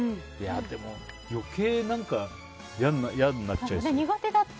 でも、余計嫌になっちゃいそう。